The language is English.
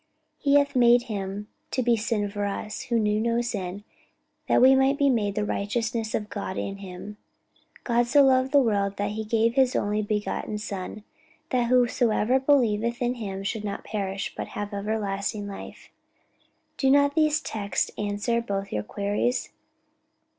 'He hath made him to be sin for us, who knew no sin; that we might be made the righteousness of God in him.' 'God so loved the world, that he gave his only begotten Son, that whosoever believeth in him should not perish, but have everlasting life.' Do not these texts answer both your queries?